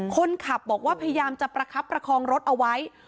คนขับบอกว่าพยายามจะประคับประคองรถเอาไว้